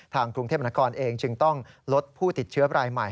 กรุงเทพมนาคมเองจึงต้องลดผู้ติดเชื้อรายใหม่